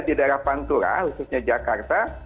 di daerah pantura khususnya jakarta